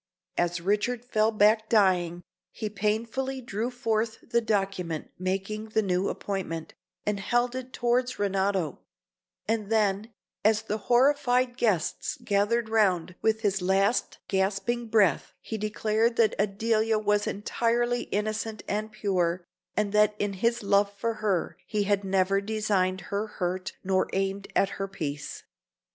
As Richard fell back dying, he painfully drew forth the document making the new appointment, and held it towards Renato; and then, as the horrified guests gathered round, with his last gasping breath he declared that Adelia was entirely innocent and pure, and that in his love for her he had never designed her hurt nor aimed at her peace.